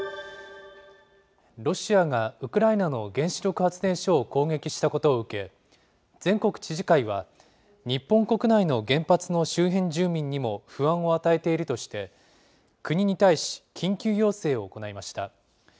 ロシアがウクライナの原子力発電所を攻撃したことを受け、全国知事会は、日本国内の原発の周辺住民にも不安を与えているとして、国に対し、緊急要請を行いました。